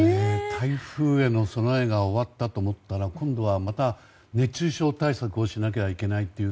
台風への備えが終わったと思ったら今度はまた熱中症対策をしなきゃいけないという。